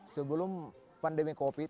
sebelum pandemi covid sembilan belas